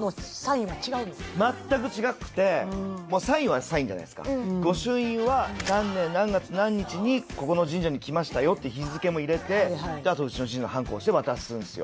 もうサインはサインじゃないですか御朱印は何年何月何日にここの神社に来ましたよって日付も入れてあとうちの神社のはんこ押して渡すんですよ